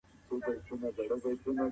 بنده ګان باید د خدای اطاعت وکړي.